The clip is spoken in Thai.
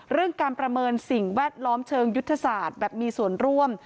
เรื่องการประเมินสิ่งแวดล้อมเชิงยุทธศาสตร์แบบมีส่วนร่วม